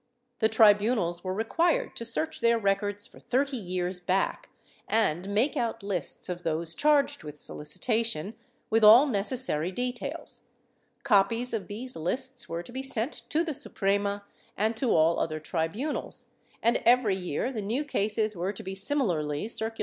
The tribunals were required to search their records for thirty years back and make out lists of those charged with solici tation with all necessary details; copies of these lists were to be sent to the Suprema and to all other tribunals, and every year the ' Archive hist, nacional, Inq.